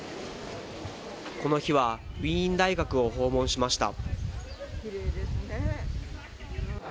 この日はウィーン大学を訪問しました。